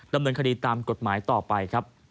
การบริเวณคดีตามกฎหมายต่อไป